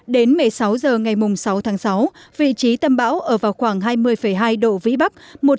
đến một mươi sáu h ngày sáu tháng sáu vị trí tâm bão ở vào khoảng hai mươi hai độ vĩ bắc